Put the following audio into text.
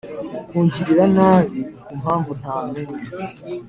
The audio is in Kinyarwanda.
kungirira nabi ku mpamvu ntamenye.”